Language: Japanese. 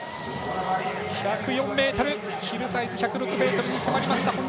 １０４ｍヒルサイズ１０６ｍに迫りました。